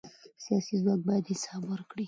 سیاسي ځواک باید حساب ورکړي